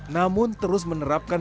namun terus menerapkan